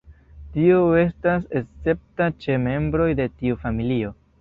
Tio estas escepta ĉe membroj de tiu familio.